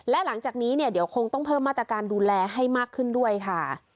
และหลังจากนี้เนี่ยเดี๋ยวคงต้องเพิ่มมาตรการดูแลให้มากขึ้นด้วยค่ะ